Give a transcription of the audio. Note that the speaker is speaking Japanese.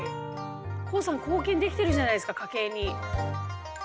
黄さん貢献できてるじゃないですか家計に。